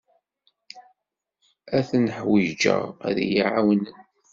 Ad ten-ḥwijeɣ ad iyi-ɛawnen.